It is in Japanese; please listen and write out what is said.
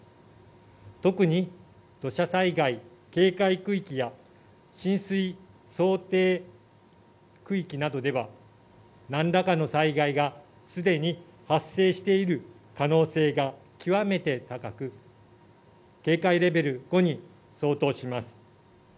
特に土砂災害警戒区域や、浸水想定区域などでは、なんらかの災害がすでに発生している可能性が極めて高く、警戒レベル５に相当します。